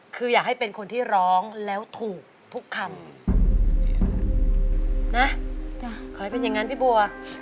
คืออยากให้เป็นคนที่ร้องแล้วถูกทุกคำนะจ้ะขอให้เป็นอย่างนั้นพี่บัว